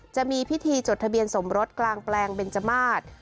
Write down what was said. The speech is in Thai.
จะมีพิธีจดทะเบียนสมรสกลางแปลงเบนจมาส